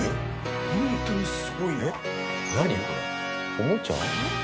おもちゃ？